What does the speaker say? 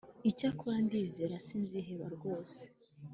Icyakora ndizera sinziheba rwose